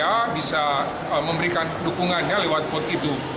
bagaimana supaya surabaya bisa memberikan dukungannya lewat vot itu